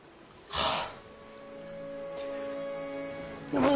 はあ。